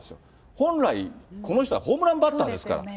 本来、この人はホームランバッターですから。